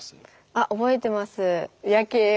あ覚えてます。